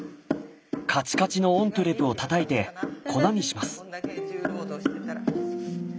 カチカチのオントゥレをたたいて粉にします。